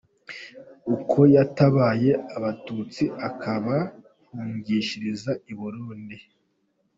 Uko yatabaye Abatutsi akabahungishiriza i Burundi